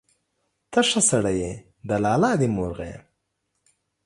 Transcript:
ته ښه سړى يې، د لالا دي مور غيم.